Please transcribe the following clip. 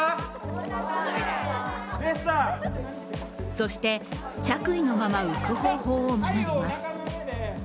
そして着衣のまま浮く方法を学びます。